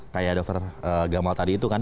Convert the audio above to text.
kayak dokter gamal tadi itu kan